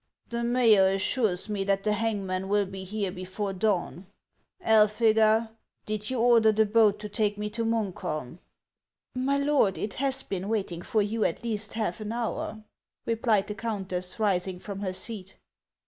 The mayor assures me that the hangman will be here before dawn. Elphega. did you order the boat to take me to Munkholm ?"" My lord, it has been waiting for you at least half an hour," replied the countess, rising from her seat.